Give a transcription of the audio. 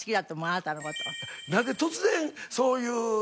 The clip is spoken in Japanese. なんで突然そういう好き